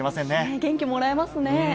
元気をもらえますね。